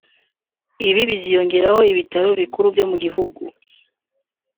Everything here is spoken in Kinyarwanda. Ibi biziyongeraho ibitaro bikuru byo mu gihugu